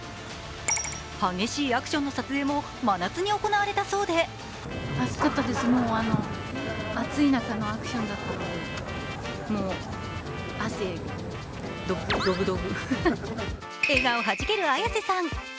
激しいアクションの撮影も真夏に行われたそうで笑顔はじける綾瀬さん。